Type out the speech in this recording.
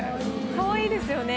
かわいいですよね。